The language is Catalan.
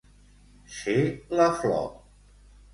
Ser la flor.